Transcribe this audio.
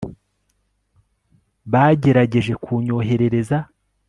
bagerageje kunyohereza